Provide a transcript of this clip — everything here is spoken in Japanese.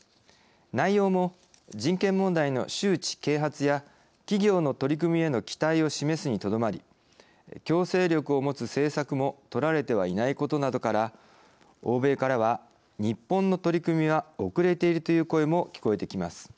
内容も人権問題の周知・啓発や企業の取り組みへの期待を示すにとどまり強制力を持つ政策も取られてはいないことなどから欧米からは日本の取り組みは遅れているという声も聞こえてきます。